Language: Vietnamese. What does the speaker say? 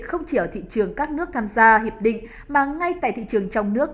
không chỉ ở thị trường các nước tham gia hiệp định mà ngay tại thị trường trong nước